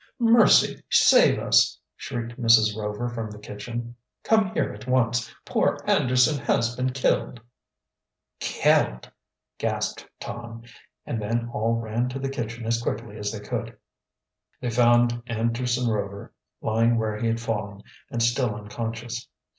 "Mercy, save us!" shrieked Mrs. Rover, from the kitchen. "Come here at once. Poor Anderson has been killed!" "Killed!" gasped Tom; and then all ran to the kitchen as quickly as they could. They found Anderson Rover lying where he had fallen, and still unconscious.